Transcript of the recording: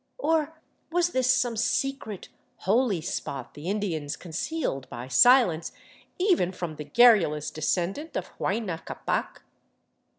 Or was this some secret holy spot the Indians concealed by silence even from the garrulous descendant of Huayna Ccapac?